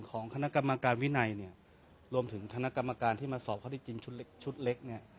ของคณะกรรมการวินัยรวมถึงคณะกรรมการที่มาสอบข้อดีจริงชุดเล็ก